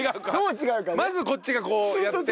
まずこっちがこうやって。